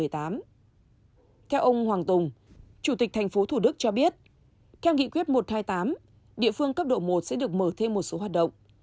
theo ông hoàng tùng chủ tịch tp thủ đức cho biết theo nghị quyết một trăm hai mươi tám địa phương cấp độ một sẽ được mở thêm một số hoạt động